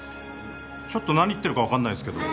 ちょっと何言ってるかわかんないんですけど。